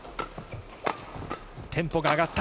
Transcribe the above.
テンポが上がった。